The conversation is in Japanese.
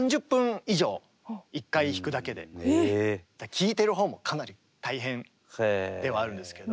聴いてるほうもかなり大変ではあるんですけど。